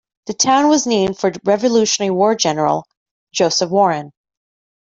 The town was named for Revolutionary War General Joseph Warren.